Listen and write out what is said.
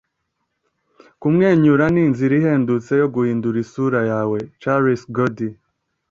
kumwenyura ni inzira ihendutse yo guhindura isura yawe. - charles gordy